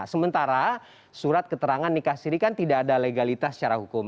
sementara surat keterangan nikah siri kan tidak ada legalitas secara hukum